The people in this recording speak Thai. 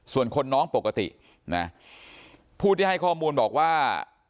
ส่วนคนน้องปกตินะผู้ที่ให้ข้อมูลบอกว่า